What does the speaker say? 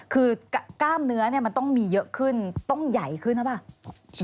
คือกล้ามเนื้อมันต้องมีเยอะขึ้นต้องใหญ่ขึ้นหรือเปล่า